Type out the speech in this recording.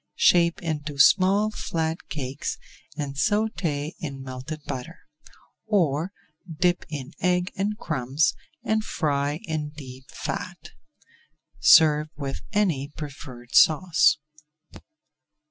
Shape into small flat cakes and sauté in melted butter, or dip in egg and crumbs and fry in deep fat. Serve with any preferred sauce.